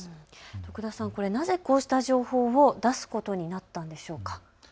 徳田さん、こうした情報をなぜ出すことになったんでしょうか。